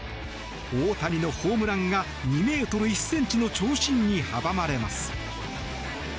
大谷のホームランが２ｍ１ｃｍの長身に阻まれます。